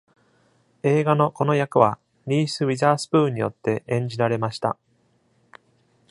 映画のこの役はリース・ウィザースプーンによって演じられました。